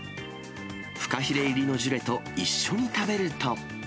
フカヒレ入りのジュレと一緒に食べると。